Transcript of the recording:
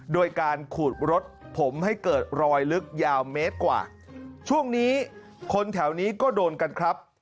โดยการขูดรถผมให้เกิดรอยลึกยาวเมตรกว่าช่วงนี้คนแถวนี้ก็โดนกันครับ